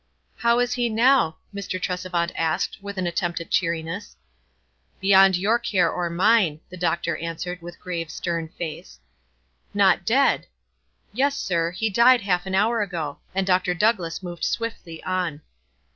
"How is he now?" Mr. Tresevant asked, with an attempt at cheer in ess. 32 WISE AND OTHERWISE. "Beyond your care or mine," the doctor an swered, with grave, stern face. " Not dead !" "Yes, sir; he died half an hour ago," and Dr. Douglass moved swiftly on.